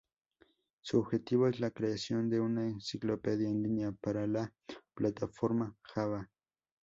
Su objetivo es la creación de una enciclopedia en línea sobre la plataforma Java.